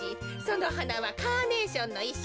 そのはなはカーネーションのいっ